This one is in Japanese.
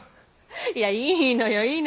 いやいいのよいいのよ！